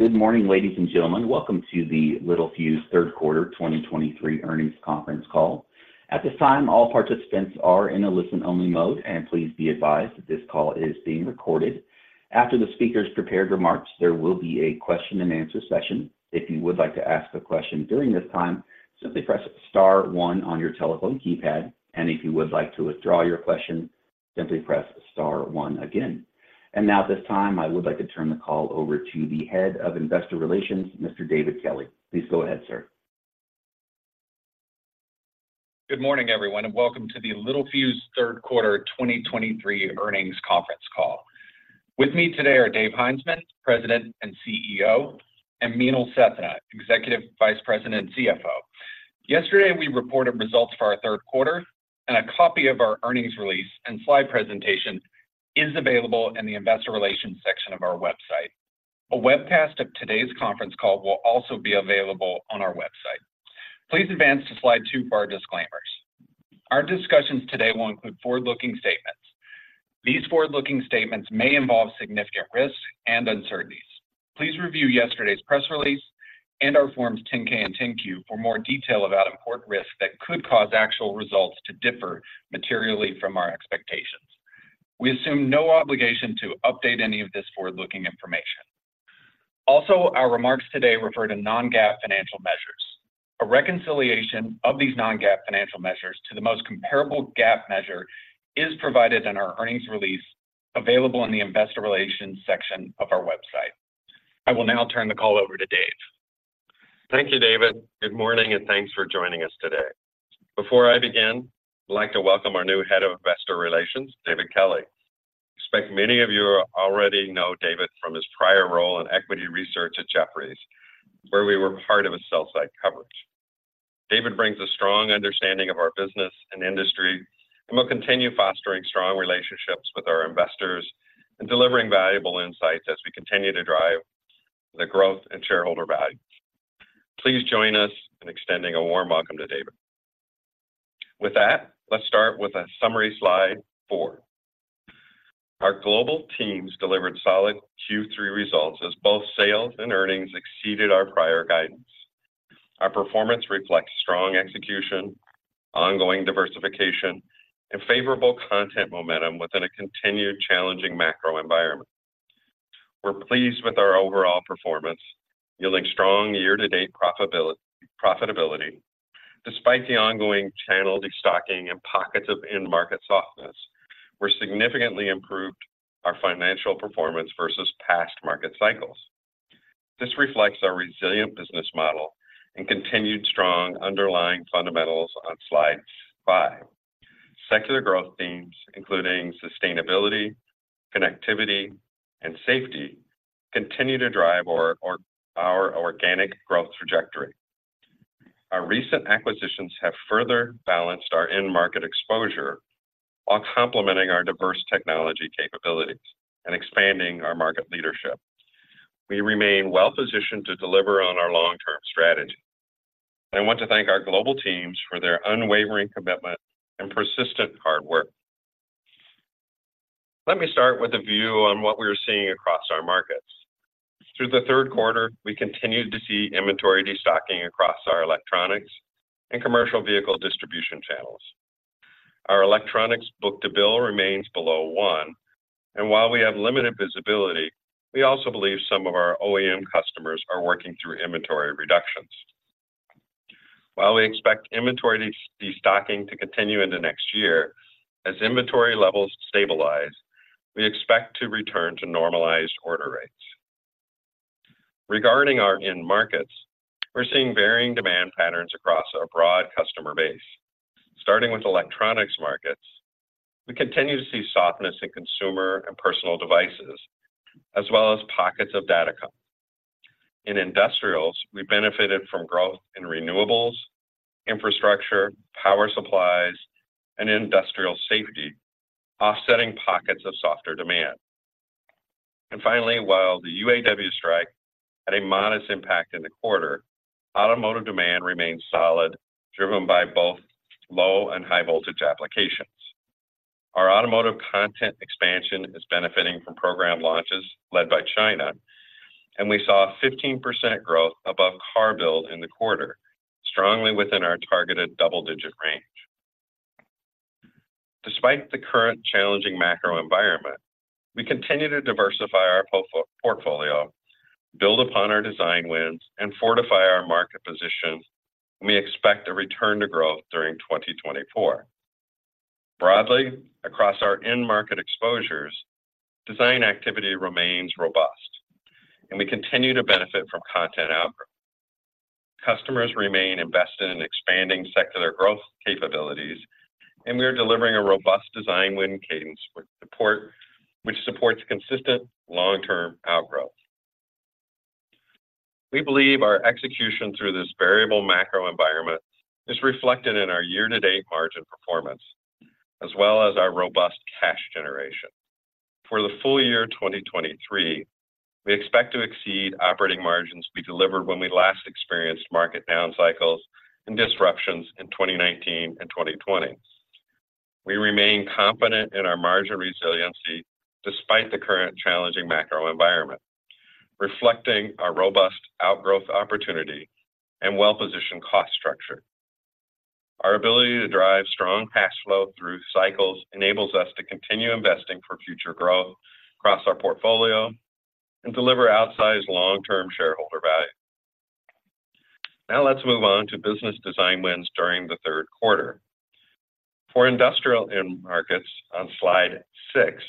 Good morning, ladies and gentlemen. Welcome to the Littelfuse third quarter 2023 earnings conference call. At this time, all participants are in a listen-only mode, and please be advised that this call is being recorded. After the speakers' prepared remarks, there will be a question-and-answer session. If you would like to ask a question during this time, simply press star one on your telephone keypad, and if you would like to withdraw your question, simply press star one again. And now at this time, I would like to turn the call over to the Head of Investor Relations, Mr. David Kelley. Please go ahead, sir. Good morning, everyone, and welcome to the Littelfuse third quarter 2023 earnings conference call. With me today are Dave Heinzmann, President and CEO, and Meenal Sethna, Executive Vice President and CFO. Yesterday, we reported results for our third quarter, and a copy of our earnings release and slide presentation is available in the investor relations section of our website. A webcast of today's conference call will also be available on our website. Please advance to slide two for our disclaimers. Our discussions today will include forward-looking statements. These forward-looking statements may involve significant risks and uncertainties. Please review yesterday's press release and our Forms 10-K and 10-Q for more detail about important risks that could cause actual results to differ materially from our expectations. We assume no obligation to update any of this forward-looking information. Also, our remarks today refer to non-GAAP financial measures. A reconciliation of these non-GAAP financial measures to the most comparable GAAP measure is provided in our earnings release, available in the investor relations section of our website. I will now turn the call over to Dave. Thank you, David. Good morning, and thanks for joining us today. Before I begin, I'd like to welcome our new Head of Investor Relations, David Kelley. I expect many of you already know David from his prior role in equity research at Jefferies, where we were part of his sell-side coverage. David brings a strong understanding of our business and industry and will continue fostering strong relationships with our investors and delivering valuable insights as we continue to drive the growth and shareholder value. Please join us in extending a warm welcome to David. With that, let's start with a summary slide four. Our global teams delivered solid Q3 results as both sales and earnings exceeded our prior guidance. Our performance reflects strong execution, ongoing diversification, and favorable content momentum within a continued challenging macro environment. We're pleased with our overall performance, yielding strong year-to-date profitability. Despite the ongoing channel destocking and pockets of end market softness, we're significantly improved our financial performance versus past market cycles. This reflects our resilient business model and continued strong underlying fundamentals on slide five. Secular growth themes, including sustainability, connectivity, and safety, continue to drive our organic growth trajectory. Our recent acquisitions have further balanced our end market exposure while complementing our diverse technology capabilities and expanding our market leadership. We remain well positioned to deliver on our long-term strategy. I want to thank our global teams for their unwavering commitment and persistent hard work. Let me start with a view on what we are seeing across our markets. Through the third quarter, we continued to see inventory destocking across our electronics and commercial vehicle distribution channels. Our electronics book-to-bill remains below one, and while we have limited visibility, we also believe some of our OEM customers are working through inventory reductions. While we expect inventory de-stocking to continue into next year, as inventory levels stabilize, we expect to return to normalized order rates. Regarding our end markets, we're seeing varying demand patterns across a broad customer base. Starting with electronics markets, we continue to see softness in consumer and personal devices, as well as pockets of datacom. In industrials, we benefited from growth in renewables, infrastructure, power supplies, and industrial safety, offsetting pockets of softer demand. And finally, while the UAW strike had a modest impact in the quarter, automotive demand remains solid, driven by both low and high voltage applications. Our automotive content expansion is benefiting from program launches led by China, and we saw a 15% growth above car build in the quarter, strongly within our targeted double-digit range. Despite the current challenging macro environment, we continue to diversify our portfolio, build upon our design wins, and fortify our market position, and we expect a return to growth during 2024. Broadly, across our end market exposures, design activity remains robust, and we continue to benefit from content outgrowth. Customers remain invested in expanding secular growth capabilities, and we are delivering a robust design win cadence support, which supports consistent long-term outgrowth. We believe our execution through this variable macro environment is reflected in our year-to-date margin performance, as well as our robust cash generation. For the full year 2023, we expect to exceed operating margins we delivered when we last experienced market down cycles and disruptions in 2019 and 2020. We remain confident in our margin resiliency despite the current challenging macro environment, reflecting our robust outgrowth opportunity and well-positioned cost structure. Our ability to drive strong cash flow through cycles enables us to continue investing for future growth across our portfolio and deliver outsized long-term shareholder value. Now let's move on to business design wins during the third quarter. For industrial end markets, on slide six,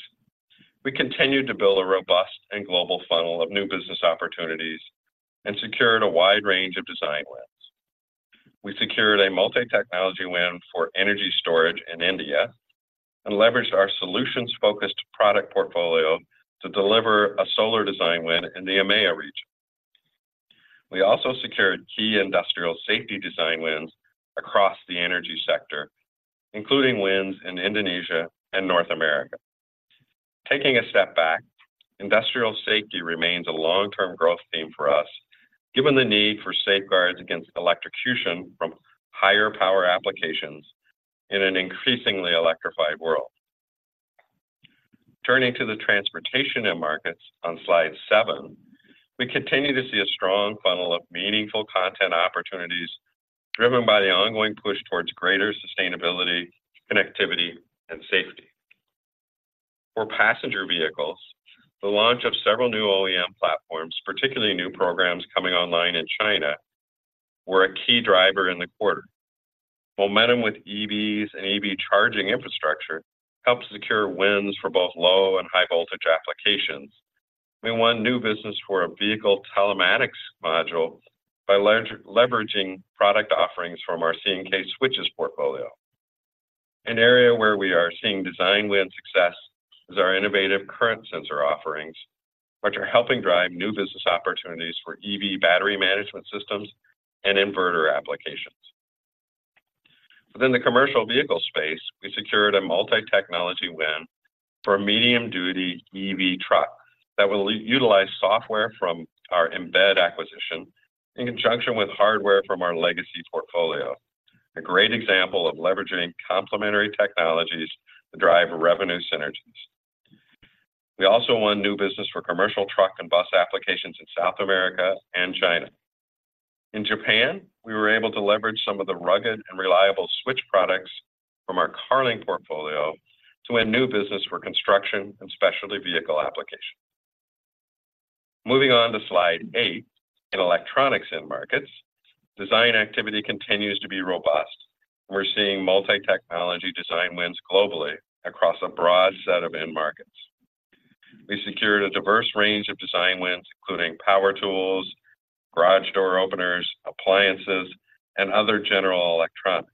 we continued to build a robust and global funnel of new business opportunities and secured a wide range of design wins. We secured a multi-technology win for energy storage in India, and leveraged our solutions-focused product portfolio to deliver a solar design win in the EMEA region. We also secured key industrial safety design wins across the energy sector, including wins in Indonesia and North America. Taking a step back, industrial safety remains a long-term growth theme for us, given the need for safeguards against electrocution from higher power applications in an increasingly electrified world. Turning to the transportation end markets on slide seven, we continue to see a strong funnel of meaningful content opportunities, driven by the ongoing push towards greater sustainability, connectivity, and safety. For passenger vehicles, the launch of several new OEM platforms, particularly new programs coming online in China, were a key driver in the quarter. Momentum with EVs and EV charging infrastructure helped secure wins for both low and high voltage applications. We won new business for a vehicle telematics module by leveraging product offerings from our C&K switches portfolio. An area where we are seeing design win success is our innovative current sensor offerings, which are helping drive new business opportunities for EV battery management systems and inverter applications. Within the commercial vehicle space, we secured a multi-technology win for a medium-duty EV truck that will utilize software from our Embed acquisition, in conjunction with hardware from our legacy portfolio. A great example of leveraging complementary technologies to drive revenue synergies. We also won new business for commercial truck and bus applications in South America and China. In Japan, we were able to leverage some of the rugged and reliable switch products from our Carling portfolio to win new business for construction and specialty vehicle applications. Moving on to slide eight, in electronics end markets, design activity continues to be robust. We're seeing multi-technology design wins globally across a broad set of end markets. We secured a diverse range of design wins, including power tools, garage door openers, appliances, and other general electronics.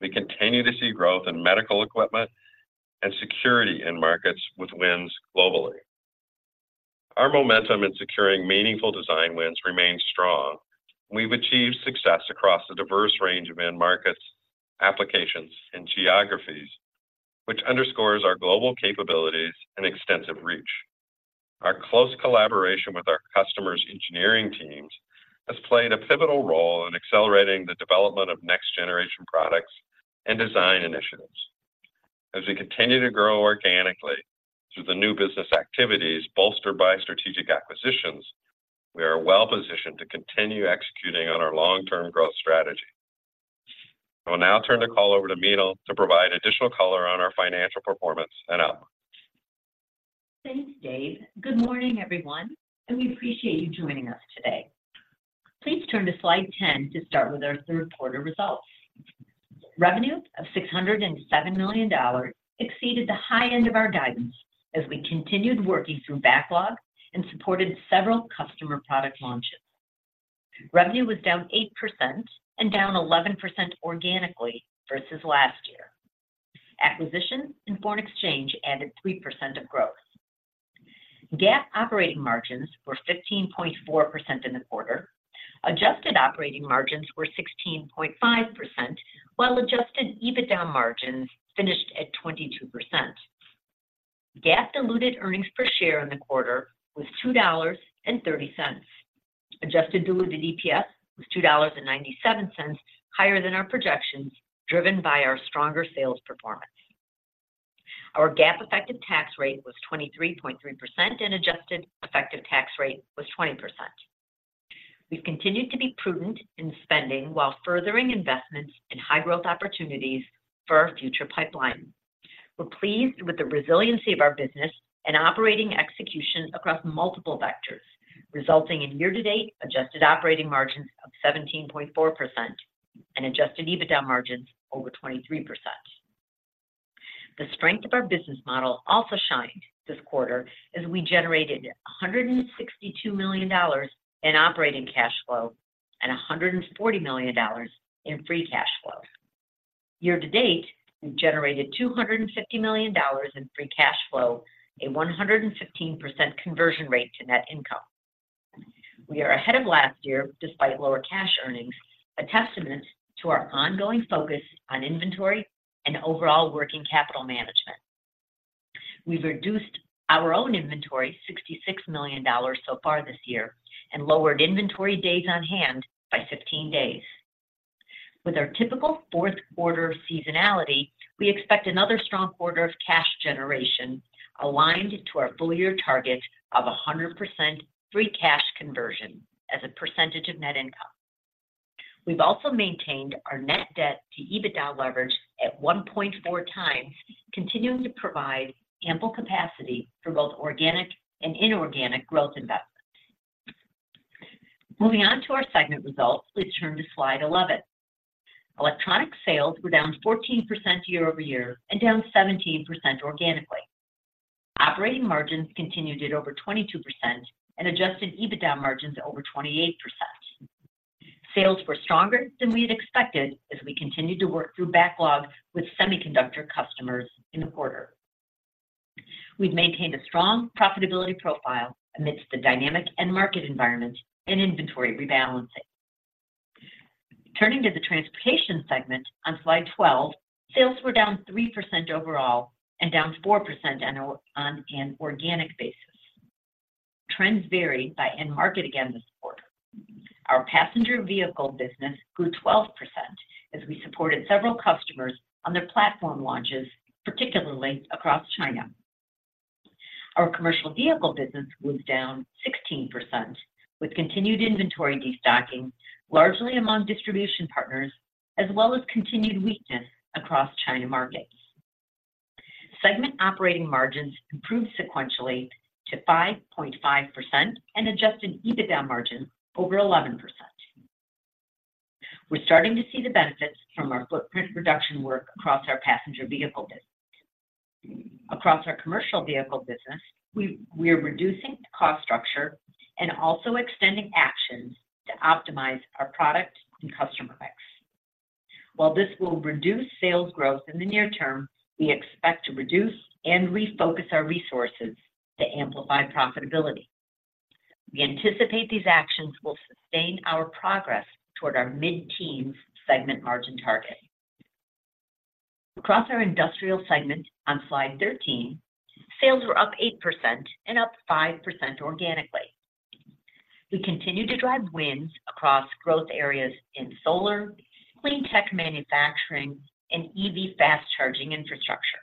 We continue to see growth in medical equipment and security end markets with wins globally. Our momentum in securing meaningful design wins remains strong. We've achieved success across a diverse range of end markets, applications, and geographies, which underscores our global capabilities and extensive reach. Our close collaboration with our customers' engineering teams has played a pivotal role in accelerating the development of next-generation products and design initiatives. As we continue to grow organically through the new business activities bolstered by strategic acquisitions, we are well positioned to continue executing on our long-term growth strategy. I will now turn the call over to Meenal to provide additional color on our financial performance and outlook. Thanks, Dave. Good morning, everyone, and we appreciate you joining us today. Please turn to slide 10 to start with our third quarter results. Revenue of $607 million exceeded the high end of our guidance as we continued working through backlog and supported several customer product launches. Revenue was down 8% and down 11% organically versus last year. Acquisitions and foreign exchange added 3% of growth. GAAP operating margins were 15.4% in the quarter. Adjusted operating margins were 16.5%, while adjusted EBITDA margins finished at 22%. GAAP diluted earnings per share in the quarter was $2.30. Adjusted diluted EPS was $2.97, higher than our projections, driven by our stronger sales performance. Our GAAP effective tax rate was 23.3%, and adjusted effective tax rate was 20%. We've continued to be prudent in spending while furthering investments in high-growth opportunities for our future pipeline. We're pleased with the resiliency of our business and operating execution across multiple vectors, resulting in year-to-date adjusted operating margins of 17.4% and adjusted EBITDA margins over 23%. The strength of our business model also shined this quarter as we generated $162 million in operating cash flow and $140 million in free cash flow. Year to date, we've generated $250 million in free cash flow, a 115% conversion rate to net income. We are ahead of last year, despite lower cash earnings, a testament to our ongoing focus on inventory and overall working capital management. We've reduced our own inventory, $66 million so far this year, and lowered inventory days on hand by 15 days. With our typical fourth quarter seasonality, we expect another strong quarter of cash generation aligned to our full year target of 100% free cash conversion as a percentage of net income. We've also maintained our net debt to EBITDA leverage at 1.4x, continuing to provide ample capacity for both organic and inorganic growth investments. Moving on to our segment results, please turn to slide 11. Electronics sales were down 14% year-over-year and down 17% organically. Operating margins continued at over 22% and adjusted EBITDA margins over 28%. Sales were stronger than we had expected as we continued to work through backlog with semiconductor customers in the quarter. We've maintained a strong profitability profile amidst the dynamic end market environment and inventory rebalancing. Turning to the transportation segment on slide 12, sales were down 3% overall and down 4% on an organic basis. Trends varied by end market again this quarter. Our passenger vehicle business grew 12% as we supported several customers on their platform launches, particularly across China. Our commercial vehicle business was down 16%, with continued inventory destocking, largely among distribution partners, as well as continued weakness across China markets. Segment operating margins improved sequentially to 5.5% and Adjusted EBITDA margins over 11%. We're starting to see the benefits from our footprint reduction work across our passenger vehicle business. Across our commercial vehicle business, we are reducing the cost structure and also extending actions to optimize our product and customer mix. While this will reduce sales growth in the near term, we expect to reduce and refocus our resources to amplify profitability. We anticipate these actions will sustain our progress toward our mid-teens segment margin target. Across our industrial segment on Slide 13, sales were up 8% and up 5% organically. We continued to drive wins across growth areas in solar, clean tech manufacturing, and EV fast charging infrastructure.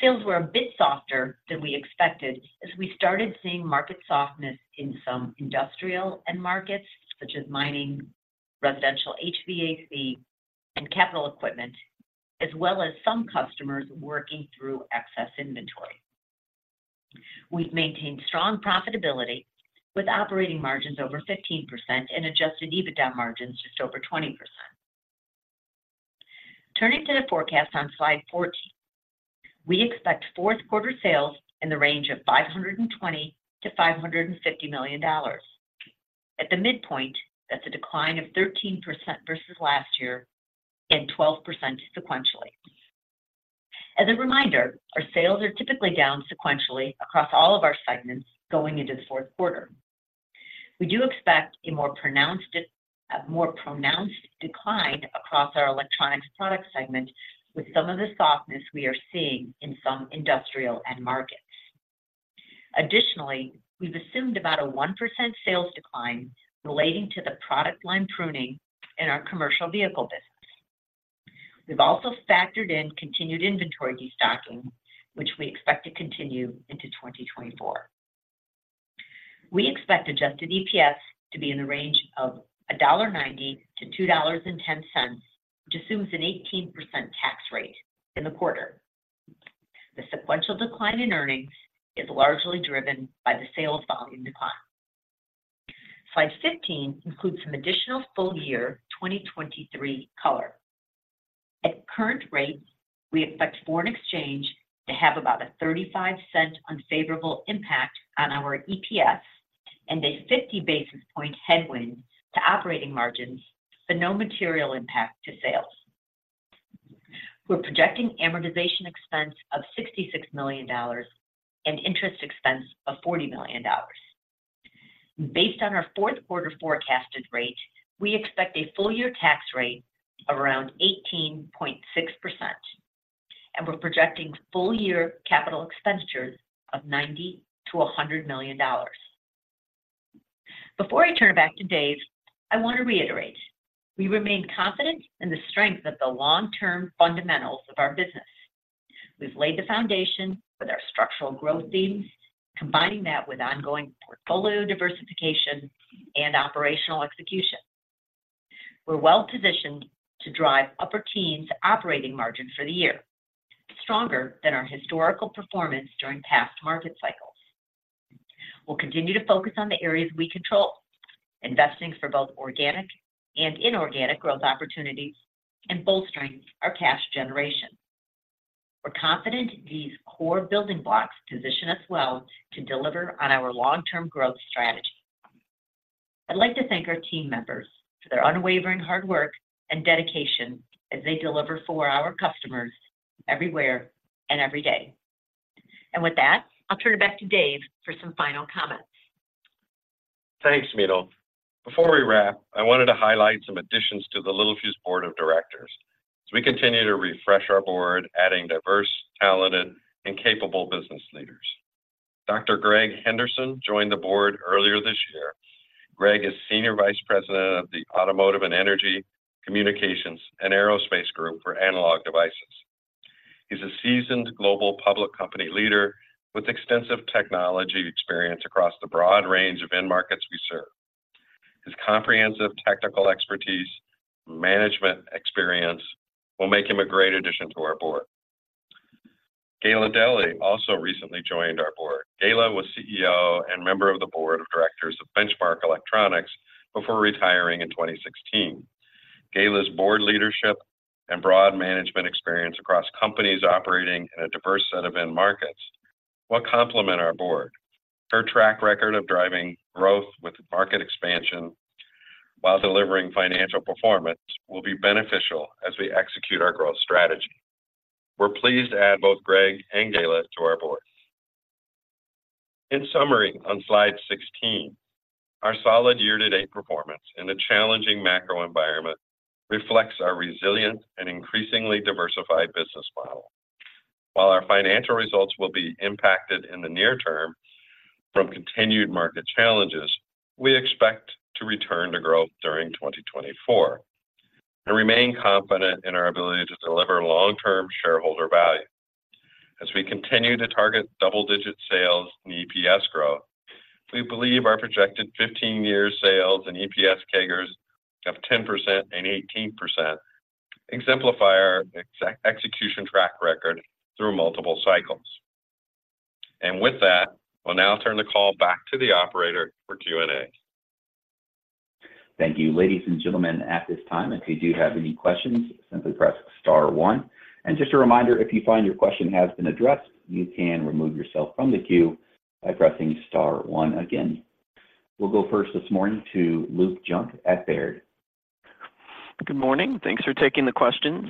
Sales were a bit softer than we expected as we started seeing market softness in some industrial end markets, such as mining, residential HVAC, and capital equipment, as well as some customers working through excess inventory. We've maintained strong profitability, with operating margins over 15% and Adjusted EBITDA margins just over 20%. Turning to the forecast on Slide 14, we expect fourth quarter sales in the range of $520 million-$550 million. At the midpoint, that's a decline of 13% versus last year and 12% sequentially. As a reminder, our sales are typically down sequentially across all of our segments going into the fourth quarter. We do expect a more pronounced decline across our electronics product segment with some of the softness we are seeing in some industrial end markets. Additionally, we've assumed about a 1% sales decline relating to the product line pruning in our commercial vehicle business. We've also factored in continued inventory destocking, which we expect to continue into 2024. We expect adjusted EPS to be in the range of $1.90-$2.10, which assumes an 18% tax rate in the quarter. The sequential decline in earnings is largely driven by the sales volume decline. Slide 15 includes some additional full year 2023 color. At current rates, we expect foreign exchange to have about a $0.35 unfavorable impact on our EPS and a 50 basis point headwind to operating margins, but no material impact to sales. We're projecting amortization expense of $66 million and interest expense of $40 million. Based on our fourth quarter forecasted rate, we expect a full year tax rate around 18.6%, and we're projecting full year capital expenditures of $90 million-$100 million. Before I turn it back to Dave, I want to reiterate, we remain confident in the strength of the long-term fundamentals of our business. We've laid the foundation for our structural growth themes, combining that with ongoing portfolio diversification and operational execution. We're well-positioned to drive upper teens operating margin for the year, stronger than our historical performance during past market cycles. We'll continue to focus on the areas we control, investing for both organic and inorganic growth opportunities, and bolstering our cash generation. We're confident these core building blocks position us well to deliver on our long-term growth strategy. I'd like to thank our team members for their unwavering hard work and dedication as they deliver for our customers everywhere and every day. With that, I'll turn it back to Dave for some final comments. Thanks, Meenal. Before we wrap, I wanted to highlight some additions to the Littelfuse Board of Directors, as we continue to refresh our board, adding diverse, talented, and capable business leaders. Dr. Greg Henderson joined the board earlier this year. Greg is Senior Vice President of the Automotive and Energy, Communications, and Aerospace Group for Analog Devices. He's a seasoned global public company leader with extensive technology experience across the broad range of end markets we serve. His comprehensive technical expertise, management experience will make him a great addition to our board. Gayla Delly also recently joined our board. Gayla was CEO and member of the board of directors of Benchmark Electronics before retiring in 2016. Gayla's board leadership and broad management experience across companies operating in a diverse set of end markets will complement our board. Her track record of driving growth with market expansion while delivering financial performance will be beneficial as we execute our growth strategy. We're pleased to add both Greg and Gayla to our board. In summary, on slide 16, our solid year-to-date performance in a challenging macro environment reflects our resilient and increasingly diversified business model. While our financial results will be impacted in the near term from continued market challenges, we expect to return to growth during 2024, and remain confident in our ability to deliver long-term shareholder value. As we continue to target double-digit sales and EPS growth, we believe our projected 15-year sales and EPS CAGRs of 10% and 18% exemplify our execution track record through multiple cycles. With that, I'll now turn the call back to the operator for Q&A. Thank you. Ladies and gentlemen, at this time, if you do have any questions, simply press star one. Just a reminder, if you find your question has been addressed, you can remove yourself from the queue by pressing star one again. We'll go first this morning to Luke Junk at Baird. Good morning. Thanks for taking the questions.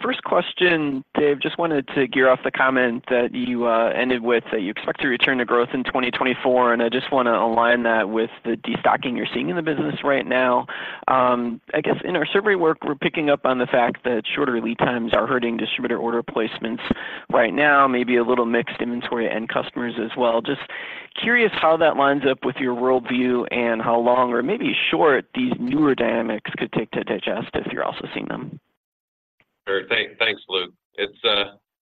First question, Dave, just wanted to key off the comment that you ended with, that you expect to return to growth in 2024, and I just wanna align that with the destocking you're seeing in the business right now. I guess in our survey work, we're picking up on the fact that shorter lead times are hurting distributor order placements right now, maybe a little mixed inventory and customers as well. Just curious how that lines up with your worldview, and how long, or maybe short, these newer dynamics could take to digest if you're also seeing them. Sure. Thanks, Luke. It's,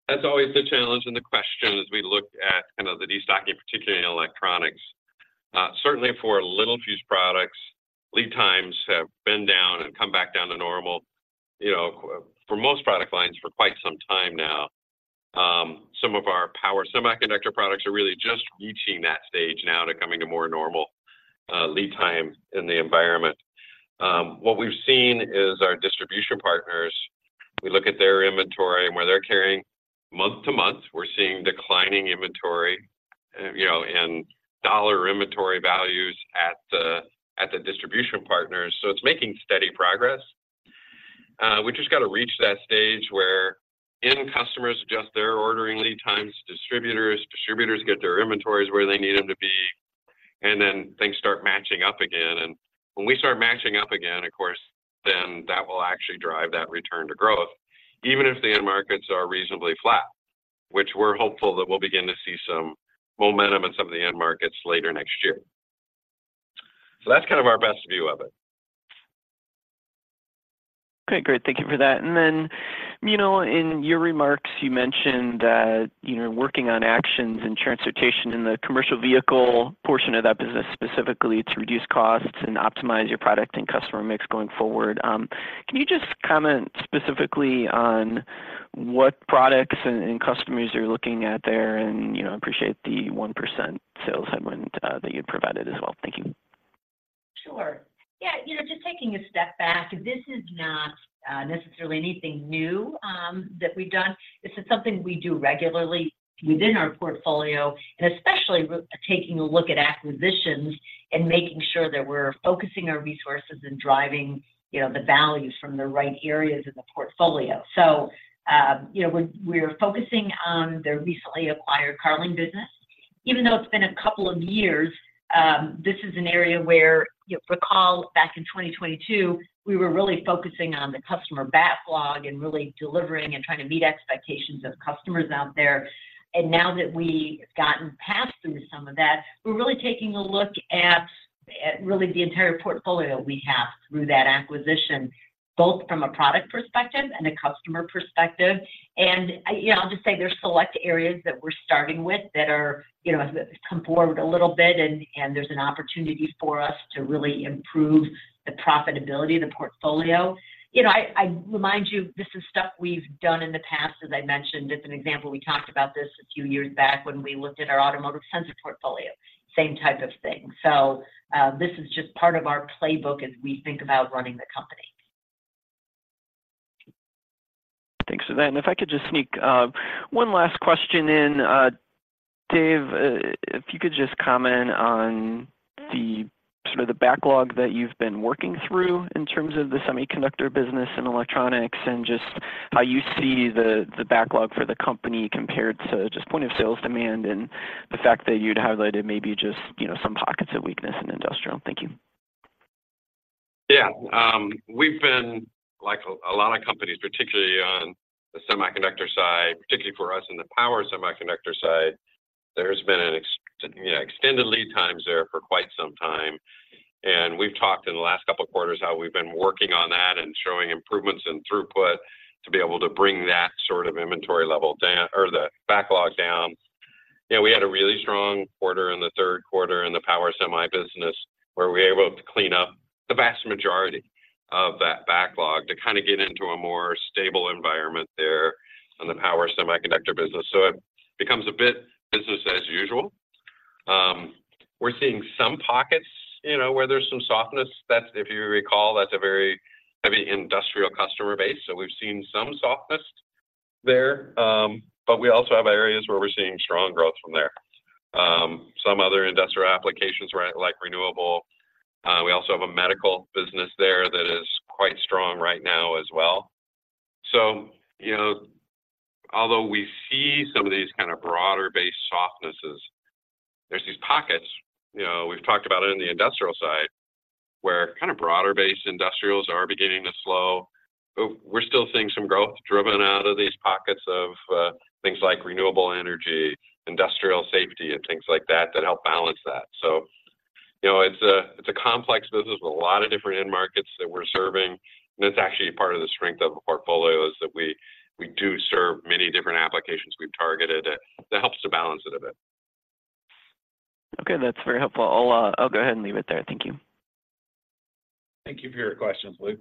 that's always the challenge and the question as we look at kind of the destocking, particularly in electronics. Certainly for Littelfuse products, lead times have been down and come back down to normal, you know, for most product lines for quite some time now. Some of our power semiconductor products are really just reaching that stage now to coming to more normal lead time in the environment. What we've seen is our distribution partners, we look at their inventory and where they're carrying month to month, we're seeing declining inventory, you know, and dollar inventory values at the distribution partners, so it's making steady progress. We just got to reach that stage where end customers adjust their ordering lead times to distributors. Distributors get their inventories where they need them to be, and then things start matching up again. When we start matching up again, of course, then that will actually drive that return to growth, even if the end markets are reasonably flat, which we're hopeful that we'll begin to see some momentum in some of the end markets later next year. That's kind of our best view of it. Okay, great. Thank you for that. And then, Meenal, in your remarks, you mentioned that, you know, working on actions and transportation in the commercial vehicle portion of that business, specifically to reduce costs and optimize your product and customer mix going forward. Can you just comment specifically on what products and, and customers you're looking at there? And, you know, appreciate the 1% sales headroom that you provided as well. Thank you. Sure. Yeah, you know, just taking a step back, this is not necessarily anything new that we've done. This is something we do regularly within our portfolio, and especially taking a look at acquisitions and making sure that we're focusing our resources and driving, you know, the values from the right areas of the portfolio. So, you know, we're focusing on the recently acquired Carling business. Even though it's been a couple of years, this is an area where, you know, recall back in 2022, we were really focusing on the customer backlog and really delivering and trying to meet expectations of customers out there. And now that we've gotten past through some of that, we're really taking a look at really the entire portfolio we have through that acquisition, both from a product perspective and a customer perspective. And, you know, I'll just say there's select areas that we're starting with that are, you know, has come forward a little bit, and there's an opportunity for us to really improve the profitability of the portfolio. You know, I remind you, this is stuff we've done in the past, as I mentioned, as an example, we talked about this a few years back when we looked at our automotive sensor portfolio, same type of thing. So, this is just part of our playbook as we think about running the company. Thanks for that. If I could just sneak one last question in, Dave, if you could just comment on some sort of the backlog that you've been working through in terms of the semiconductor business and electronics, and just how you see the backlog for the company compared to just point of sales demand and the fact that you'd highlighted maybe just, you know, some pockets of weakness in industrial. Thank you. Yeah. We've been like a lot of companies, particularly on the semiconductor side, particularly for us in the power semiconductor side. There's been an, you know, extended lead times there for quite some time. We've talked in the last couple of quarters how we've been working on that and showing improvements in throughput to be able to bring that sort of inventory level down or the backlog down. You know, we had a really strong quarter in the third quarter in the power semi business, where we were able to clean up the vast majority of that backlog to kind of get into a more stable environment there on the power semiconductor business. So it becomes a bit business as usual. We're seeing some pockets, you know, where there's some softness. That's if you recall, that's a very heavy industrial customer base, so we've seen some softness there. But we also have areas where we're seeing strong growth from there. Some other industrial applications right, like renewable. We also have a medical business there that is quite strong right now as well. So, you know, although we see some of these kind of broader-based softnesses, there's these pockets. You know, we've talked about it in the industrial side, where kind of broader-based industrials are beginning to slow. But we're still seeing some growth driven out of these pockets of, things like renewable energy, industrial safety, and things like that, that help balance that. So, you know, it's a complex business with a lot of different end markets that we're serving, and it's actually part of the strength of the portfolio is that we do serve many different applications we've targeted. That helps to balance it a bit. Okay, that's very helpful. I'll go ahead and leave it there. Thank you. Thank you for your questions, Luke.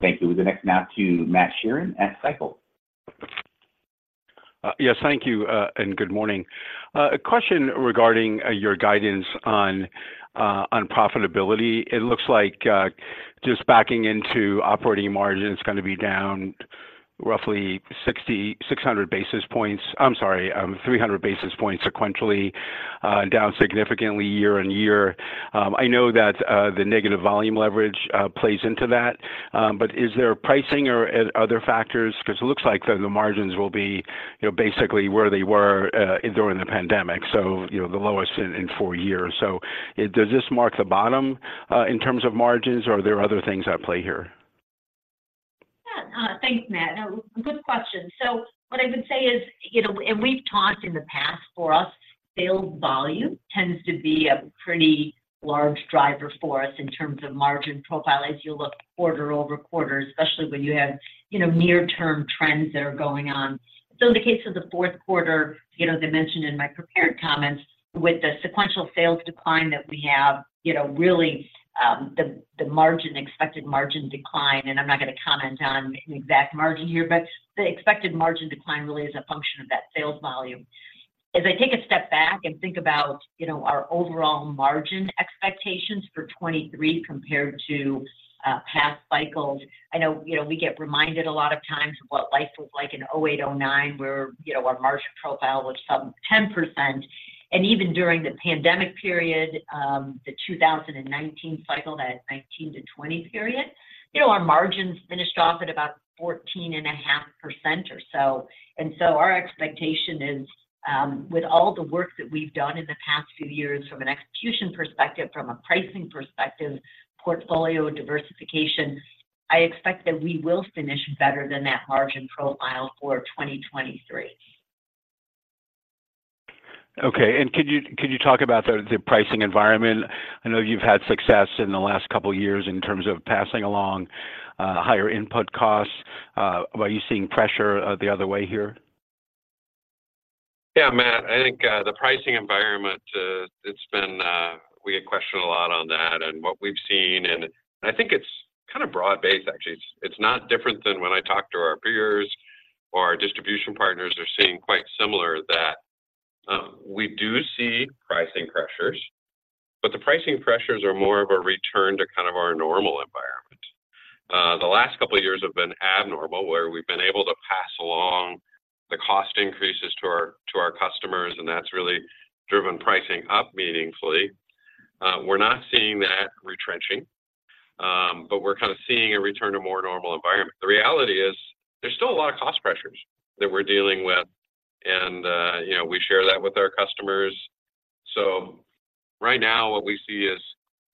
Thank you. We'll go next now to Matt Sheerin at Stifel. Yes, thank you, and good morning. A question regarding your guidance on profitability. It looks like just backing into operating margin, it's gonna be down roughly 6,600 basis points. I'm sorry, 300 basis points sequentially, down significantly year-on-year. I know that the negative volume leverage plays into that, but is there pricing or other factors? Because it looks like the margins will be, you know, basically where they were during the pandemic, so, you know, the lowest in four years. So does this mark the bottom in terms of margins, or are there other things at play here? Yeah. Thanks, Matt. Good question. So what I would say is, you know, and we've talked in the past, for us, sales volume tends to be a pretty large driver for us in terms of margin profile, as you look quarter-over-quarter, especially when you have, you know, near-term trends that are going on. So in the case of the fourth quarter, you know, as I mentioned in my prepared comments, with the sequential sales decline that we have, you know, really, the margin, expected margin decline, and I'm not gonna comment on the exact margin here. But the expected margin decline really is a function of that sales volume. As I take a step back and think about, you know, our overall margin expectations for 2023 compared to past cycles, I know, you know, we get reminded a lot of times of what life was like in 2008, 2009, where, you know, our margin profile was some 10%. And even during the pandemic period, the 2019 cycle, that 2019 to 2020 period, you know, our margins finished off at about 14.5% or so. And so our expectation is, with all the work that we've done in the past few years from an execution perspective, from a pricing perspective, portfolio diversification, I expect that we will finish better than that margin profile for 2023. Okay. And could you talk about the pricing environment? I know you've had success in the last couple of years in terms of passing along higher input costs. Are you seeing pressure the other way here? Yeah, Matt, I think the pricing environment, it's been... we get questioned a lot on that, and what we've seen, and I think it's kind of broad-based actually. It's, it's not different than when I talk to our peers or our distribution partners are seeing quite similar that, we do see pricing pressures. But the pricing pressures are more of a return to kind of our normal environment. The last couple of years have been abnormal, where we've been able to pass along the cost increases to our, to our customers, and that's really driven pricing up meaningfully. We're not seeing that retrenching, but we're kind of seeing a return to more normal environment. The reality is there's still a lot of cost pressures that we're dealing with, and, you know, we share that with our customers. So right now, what we see is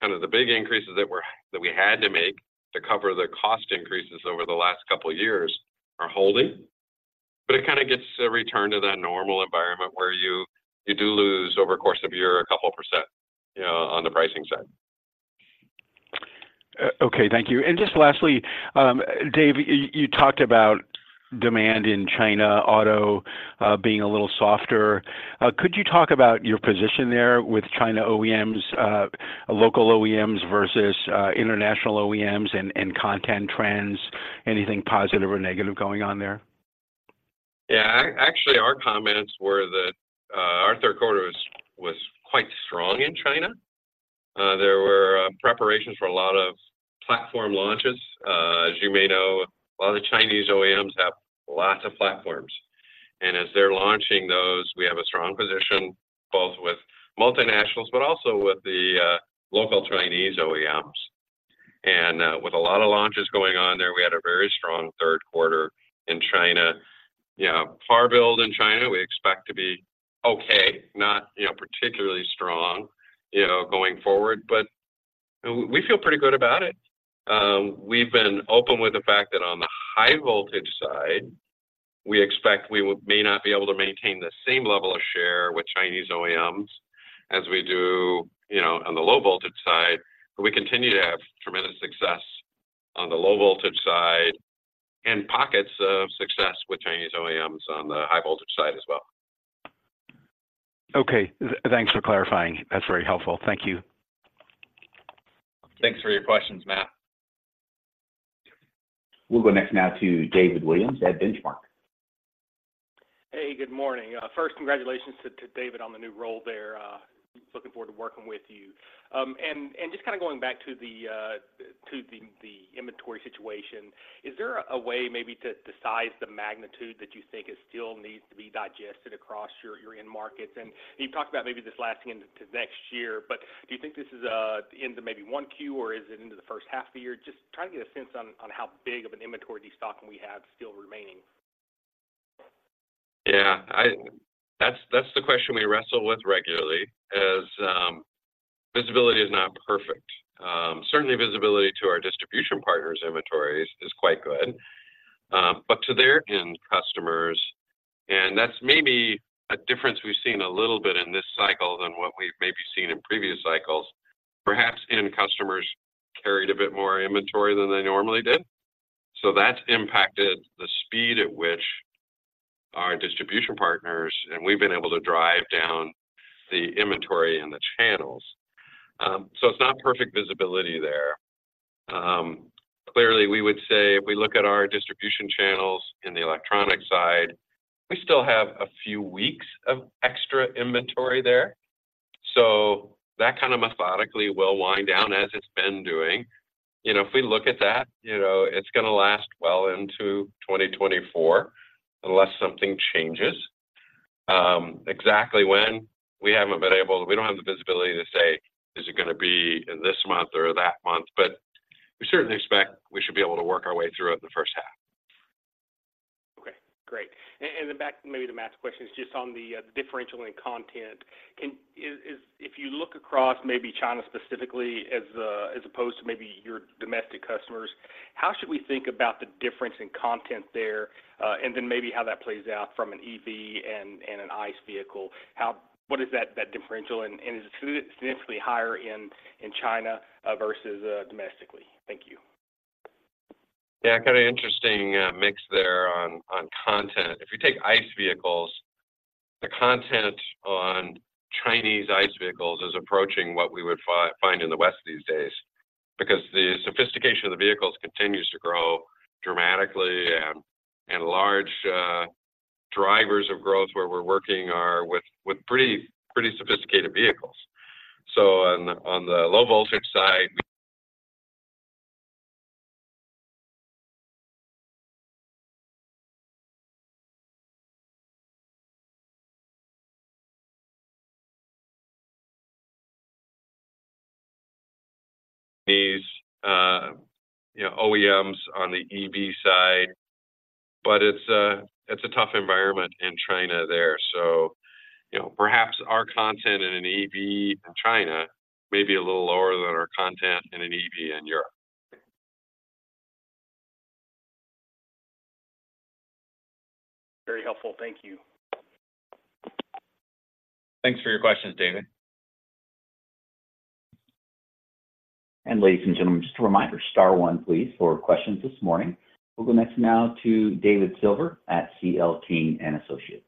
kind of the big increases that we had to make to cover the cost increases over the last couple of years are holding, but it kind of gets a return to that normal environment where you do lose over a course of a year, a couple percent on the pricing side. Okay. Thank you. And just lastly, Dave, you talked about demand in China, auto, being a little softer. Could you talk about your position there with China OEMs, local OEMs versus international OEMs and content trends? Anything positive or negative going on there? Yeah. Actually, our comments were that our third quarter was quite strong in China. There were preparations for a lot of platform launches. As you may know, a lot of the Chinese OEMs have lots of platforms... and as they're launching those, we have a strong position, both with multinationals, but also with the local Chinese OEMs. With a lot of launches going on there, we had a very strong third quarter in China. You know, forward build in China, we expect to be okay, not, you know, particularly strong, you know, going forward, but we feel pretty good about it. We've been open with the fact that on the high voltage side, we expect we may not be able to maintain the same level of share with Chinese OEMs as we do, you know, on the low voltage side. But we continue to have tremendous success on the low voltage side and pockets of success with Chinese OEMs on the high voltage side as well. Okay. Thanks for clarifying. That's very helpful. Thank you. Thanks for your questions, Matt. We'll go next now to David Williams at Benchmark. Hey, good morning. First, congratulations to David on the new role there. Looking forward to working with you. Just kinda going back to the inventory situation, is there a way maybe to decide the magnitude that you think is still needs to be digested across your end markets? And you've talked about maybe this lasting into next year, but do you think this is into maybe one Q, or is it into the first half of the year? Just trying to get a sense on how big of an inventory destocking we have still remaining. Yeah, that's the question we wrestle with regularly, as visibility is not perfect. Certainly, visibility to our distribution partners' inventories is quite good, but to their end customers... And that's maybe a difference we've seen a little bit in this cycle than what we've maybe seen in previous cycles. Perhaps end customers carried a bit more inventory than they normally did, so that's impacted the speed at which our distribution partners and we've been able to drive down the inventory in the channels. So it's not perfect visibility there. Clearly, we would say if we look at our distribution channels in the electronic side, we still have a few weeks of extra inventory there, so that methodically will wind down as it's been doing. You know, if we look at that, you know, it's gonna last well into 2024, unless something changes. Exactly when, we don't have the visibility to say, "Is it gonna be in this month or that month?" But we certainly expect we should be able to work our way through it in the first half. Okay, great. Then back maybe to Matt's question, just on the differential in content. If you look across maybe China specifically as opposed to maybe your domestic customers, how should we think about the difference in content there, and then maybe how that plays out from an EV and an ICE vehicle? What is that differential, and is it significantly higher in China versus domestically? Thank you. Yeah, kind of interesting, mix there on, on content. If you take ICE vehicles, the content on Chinese ICE vehicles is approaching what we would find in the West these days. Because the sophistication of the vehicles continues to grow dramatically, and large, drivers of growth where we're working are with, with pretty, pretty sophisticated vehicles. So on, on the low voltage side, these, you know, OEMs on the EV side, but it's a, it's a tough environment in China there. So, you know, perhaps our content in an EV in China may be a little lower than our content in an EV in Europe. Very helpful. Thank you. Thanks for your questions, David. Ladies and gentlemen, just a reminder, star one, please, for questions this morning. We'll go next now to David Silver at CL King & Associates.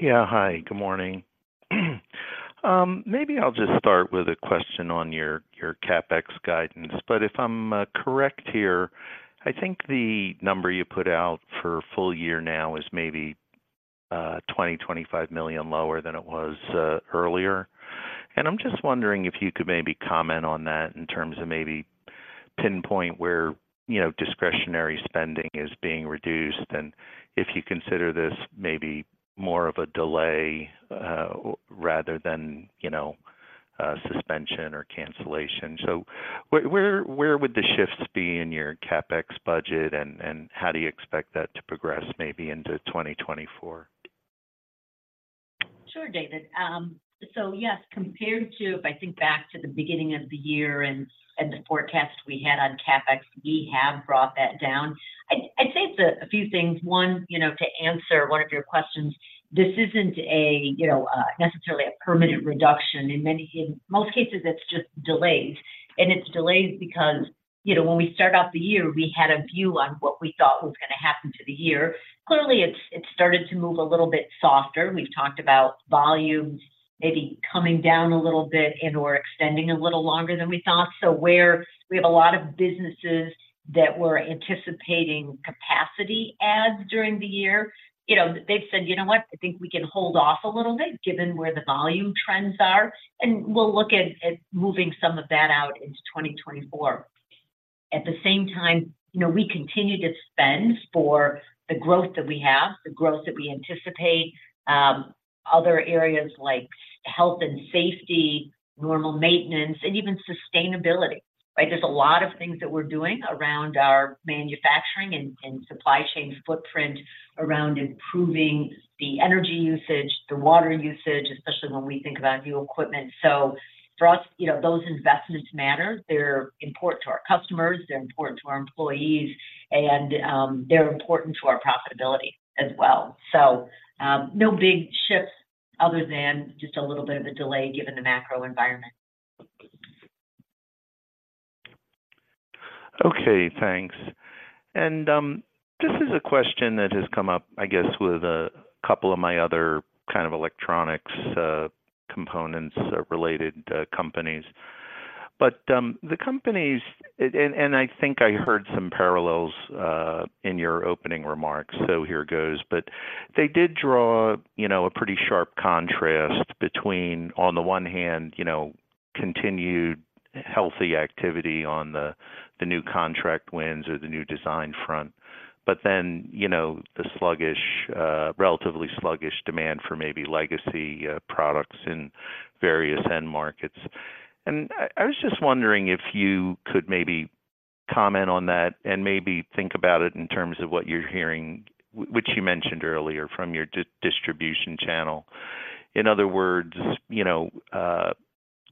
Yeah, hi, good morning. Maybe I'll just start with a question on your, your CapEx guidance, but if I'm correct here, I think the number you put out for full year now is maybe $25 million lower than it was earlier. And I'm just wondering if you could maybe comment on that in terms of maybe pinpoint where, you know, discretionary spending is being reduced, and if you consider this maybe more of a delay rather than, you know, suspension or cancellation. So where, where, where would the shifts be in your CapEx budget, and, and how do you expect that to progress maybe into 2024? Sure, David. So yes, compared to if I think back to the beginning of the year and the forecast we had on CapEx, we have brought that down. I'd say it's a few things. One, you know, to answer one of your questions, this isn't a, you know, necessarily a permanent reduction. In most cases, it's just delayed, and it's delayed because, you know, when we started off the year, we had a view on what we thought was gonna happen to the year. Clearly, it's started to move a little bit softer. We've talked about volumes maybe coming down a little bit and/or extending a little longer than we thought. So where we have a lot of businesses that were anticipating capacity adds during the year, you know, they've said, "You know what? I think we can hold off a little bit, given where the volume trends are, and we'll look at moving some of that out into 2024." At the same time, you know, we continue to spend for the growth that we have, the growth that we anticipate, other areas like health and safety, normal maintenance, and even sustainability, right? There's a lot of things that we're doing around our manufacturing and supply chain footprint around improving the energy usage, the water usage, especially when we think about new equipment. So for us, you know, those investments matter. They're important to our customers, they're important to our employees, and they're important to our profitability as well. So, no big shifts other than just a little bit of a delay, given the macro environment. Okay, thanks. And this is a question that has come up, I guess, with a couple of my other kind of electronics components-related companies. But the companies... And I think I heard some parallels in your opening remarks, so here goes. But they did draw, you know, a pretty sharp contrast between, on the one hand, you know, continued healthy activity on the new contract wins or the new design front, but then, you know, the sluggish, relatively sluggish demand for maybe legacy products in various end markets. And I was just wondering if you could maybe comment on that and maybe think about it in terms of what you're hearing, which you mentioned earlier, from your distribution channel. In other words, you know,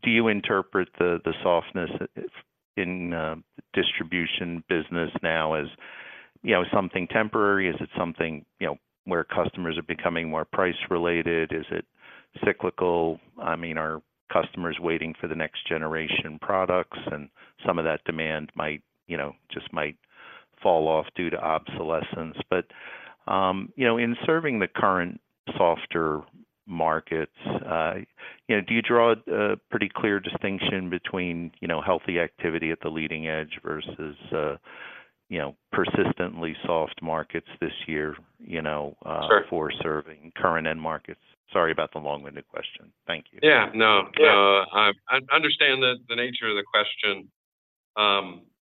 do you interpret the, the softness in, distribution business now as, you know, something temporary? Is it something, you know, where customers are becoming more price-related? Is it cyclical? I mean, are customers waiting for the next generation products, and some of that demand might, you know, just might fall off due to obsolescence. But, you know, in serving the current softer markets, you know, do you draw a, a pretty clear distinction between, you know, healthy activity at the leading edge versus, you know, persistently soft markets this year, you know,- Sure... for serving current end markets? Sorry about the long-winded question. Thank you. Yeah. No, I understand the nature of the question.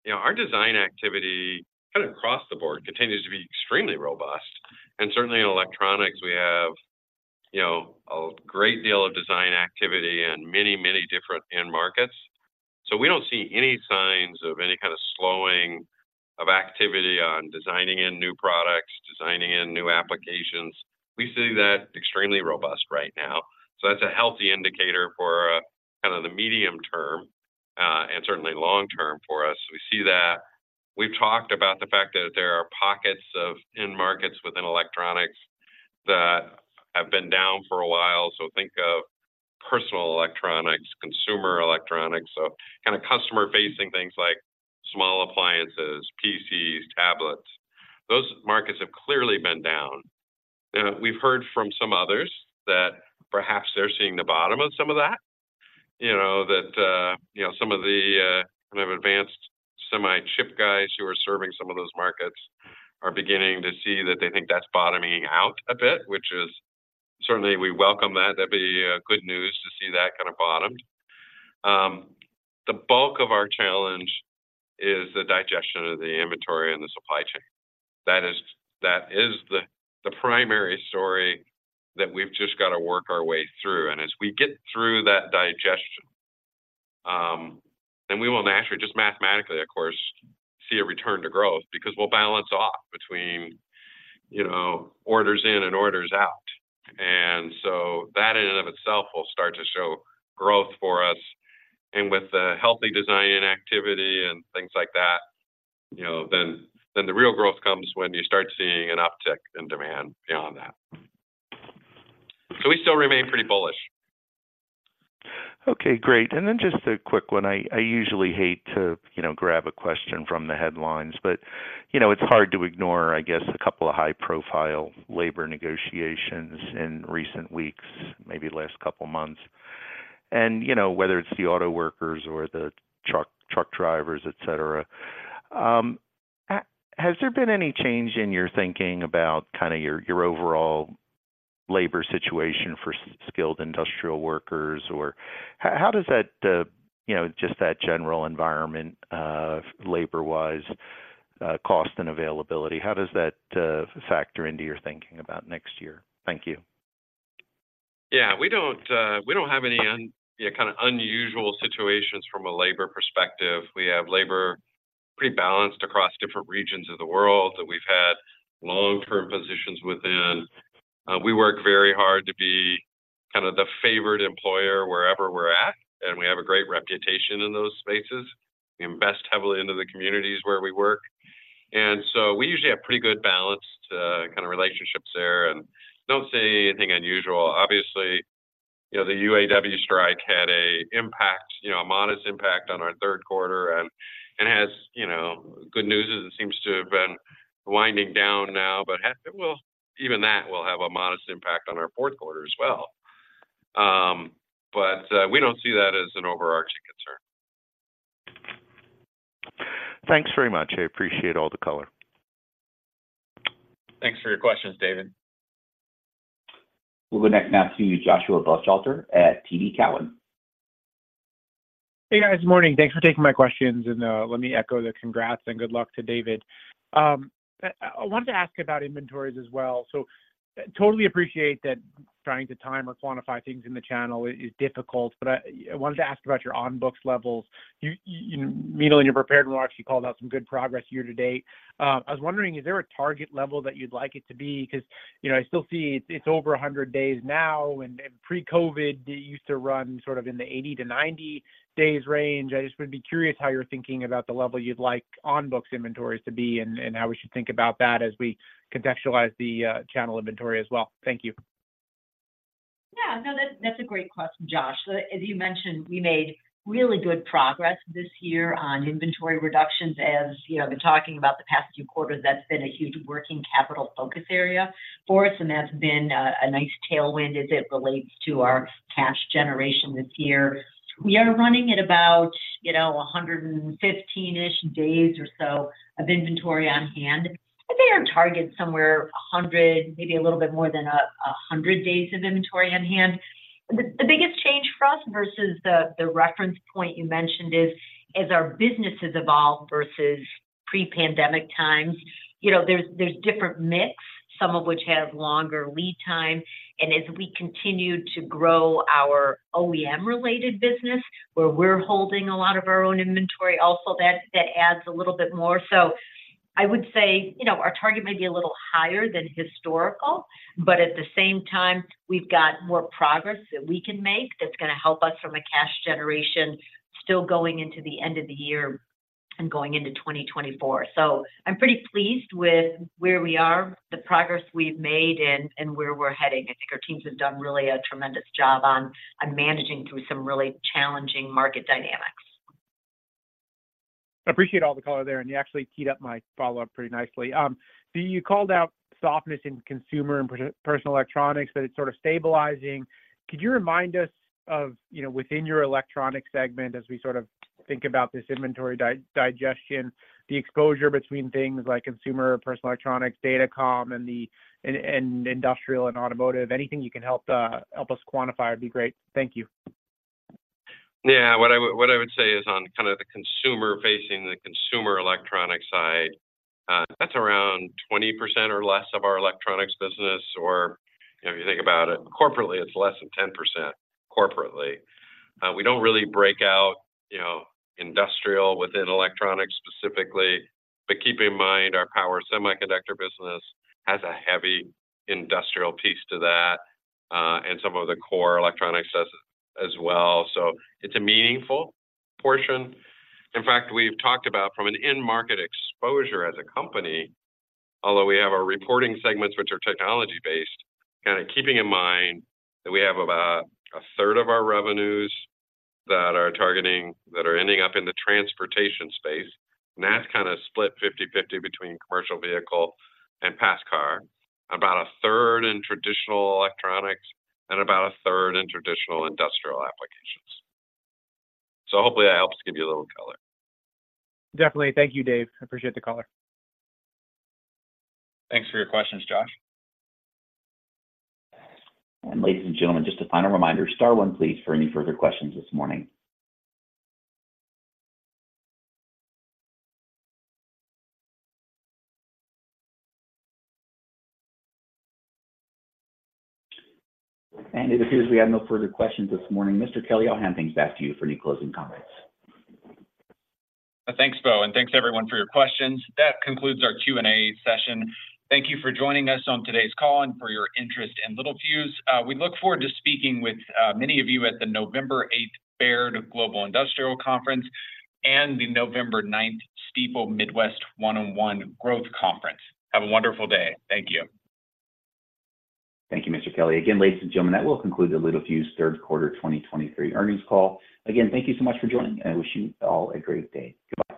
You know, our design activity, kind of across the board, continues to be extremely robust. And certainly in electronics, we have, you know, a great deal of design activity in many, many different end markets. So we don't see any signs of any kind of slowing of activity on designing in new products, designing in new applications. We see that extremely robust right now. So that's a healthy indicator for, kind of the medium term, and certainly long term for us. We see that. We've talked about the fact that there are pockets of end markets within electronics that have been down for a while. So think of personal electronics, consumer electronics, so kind of customer-facing things like small appliances, PCs, tablets. Those markets have clearly been down. We've heard from some others that perhaps they're seeing the bottom of some of that. You know, that, you know, some of the kind of advanced semi chip guys who are serving some of those markets are beginning to see that they think that's bottoming out a bit, which is... Certainly, we welcome that. That'd be good news to see that kind of bottom. The bulk of our challenge is the digestion of the inventory and the supply chain. That is, that is the primary story that we've just got to work our way through. And as we get through that digestion, then we will naturally, just mathematically, of course, see a return to growth because we'll balance off between, you know, orders in and orders out. And so that in and of itself will start to show growth for us. With the healthy design activity and things like that, you know, then the real growth comes when you start seeing an uptick in demand beyond that. So we still remain pretty bullish. Okay, great. And then just a quick one. I usually hate to, you know, grab a question from the headlines, but, you know, it's hard to ignore, I guess, a couple of high-profile labor negotiations in recent weeks, maybe last couple of months. And, you know, whether it's the auto workers or the truck drivers, etc., has there been any change in your thinking about kind of your overall labor situation for skilled industrial workers? Or how does that, you know, just that general environment, labor-wise, cost and availability, how does that factor into your thinking about next year? Thank you. Yeah, we don't have any unusual situations from a labor perspective. We have labor pretty balanced across different regions of the world that we've had long-term positions within. We work very hard to be kind of the favored employer wherever we're at, and we have a great reputation in those spaces. We invest heavily into the communities where we work, and so we usually have pretty good balanced kind of relationships there, and don't see anything unusual. Obviously, you know, the UAW strike had an impact, you know, a modest impact on our third quarter and has, you know, good news is it seems to have been winding down now, but well, even that will have a modest impact on our fourth quarter as well. But we don't see that as an overarching concern. Thanks very much. I appreciate all the color. Thanks for your questions, David. We'll go next now to Joshua Buchalter at TD Cowen. Hey, guys. Morning. Thanks for taking my questions, and let me echo the congrats and good luck to David. I wanted to ask about inventories as well. So totally appreciate that trying to time or quantify things in the channel is difficult, but I wanted to ask about your on-books levels. Meenal, in your prepared remarks, you called out some good progress year to date. I was wondering, is there a target level that you'd like it to be? Because, you know, I still see it's over 100 days now, and pre-COVID, it used to run sort of in the 80-90 days range. I just would be curious how you're thinking about the level you'd like on-books inventories to be and how we should think about that as we contextualize the channel inventory as well. Thank you. Yeah, no, that's a great question, Josh. As you mentioned, we made really good progress this year on inventory reductions. As you know, I've been talking about the past few quarters, that's been a huge working capital focus area for us, and that's been a nice tailwind as it relates to our cash generation this year. We are running at about, you know, 115-ish days or so of inventory on hand. I think our target's somewhere 100, maybe a little bit more than a 100 days of inventory on hand. The biggest change for us versus the reference point you mentioned is, as our business has evolved versus pre-pandemic times, you know, there's different mix, some of which have longer lead time. As we continue to grow our OEM-related business, where we're holding a lot of our own inventory also, that adds a little bit more. So I would say, you know, our target may be a little higher than historical, but at the same time, we've got more progress that we can make that's gonna help us from a cash generation still going into the end of the year and going into 2024. So I'm pretty pleased with where we are, the progress we've made, and where we're heading. I think our teams have done really a tremendous job on managing through some really challenging market dynamics. Appreciate all the color there, and you actually teed up my follow-up pretty nicely. So you called out softness in consumer and personal electronics, but it's sort of stabilizing. Could you remind us of, you know, within your electronic segment, as we sort of think about this inventory digestion, the exposure between things like consumer, personal electronics, datacom, and industrial and automotive? Anything you can help us quantify would be great. Thank you. Yeah, what I would, what I would say is on kind of the consumer-facing, the consumer electronic side, that's around 20% or less of our electronics business. Or, you know, if you think about it corporately, it's less than 10% corporately. We don't really break out, you know, industrial within electronics specifically, but keep in mind, our power semiconductor business has a heavy industrial piece to that, and some of the core electronics as well, so it's a meaningful portion. In fact, we've talked about from an end market exposure as a company, although we have our reporting segments, which are technology-based, kinda keeping in mind that we have about a third of our revenues that are targeting- that are ending up in the transportation space, and that's kind of split 50/50 between commercial vehicle and pass car. About a third in traditional electronics and about a third in traditional industrial applications. Hopefully that helps give you a little color. Definitely. Thank you, Dave. I appreciate the color. Thanks for your questions, Josh. Ladies and gentlemen, just a final reminder, star one, please, for any further questions this morning. It appears we have no further questions this morning. Mr. Kelley, I'll hand things back to you for any closing comments. Thanks, Bo, and thanks, everyone, for your questions. That concludes our Q&A session. Thank you for joining us on today's call and for your interest in Littelfuse. We look forward to speaking with many of you at the November eighth Baird Global Industrial Conference and the November ninth Stifel Midwest One-on-One Growth Conference. Have a wonderful day. Thank you. Thank you, Mr. Kelley. Again, ladies and gentlemen, that will conclude the Littelfuse third quarter 2023 earnings call. Again, thank you so much for joining, and I wish you all a great day. Goodbye.